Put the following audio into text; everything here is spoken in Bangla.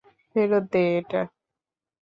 ফেরত দে এটা!